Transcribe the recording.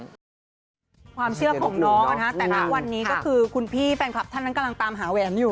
ความเชื่อของน้องแต่ณวันนี้ก็คือคุณพี่แฟนคลับท่านนั้นกำลังตามหาแหวนอยู่